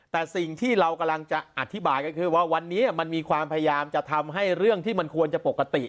แต่สิ่งที่เรากำลังจะอธิบายก็คือว่าวันนี้มันมีความพยายามจะทำให้เรื่องที่มันควรจะปกติ